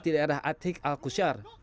di daerah atik al kusyar